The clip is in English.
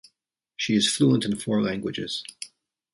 She is fluent in four languages.